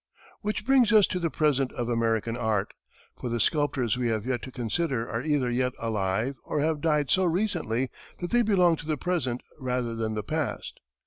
Which brings us to the present of American art, for the sculptors we have yet to consider are either yet alive or have died so recently that they belong to the present rather than the past.